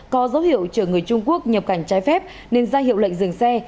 có dấu hiệu chở người trung quốc nhập cảnh trái phép nên ra hiệu lệnh dừng xe